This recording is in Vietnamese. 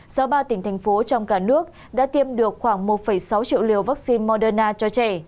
do ba tỉnh thành phố trong cả nước đã tiêm được khoảng một sáu triệu liều vaccine moderna cho trẻ